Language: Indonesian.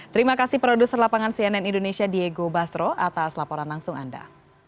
terima kasih produser lapangan cnn indonesia diego basro atas laporan langsung anda